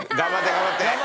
頑張って！